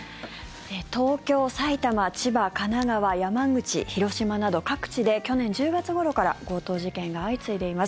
東京、埼玉、千葉神奈川、山口、広島など各地で去年１０月ごろから強盗事件が相次いでいます。